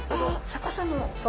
逆さの？